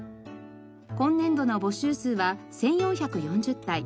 今年度の募集数は１４４０体。